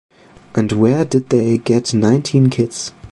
And Where Did They Get Nineteen Kids?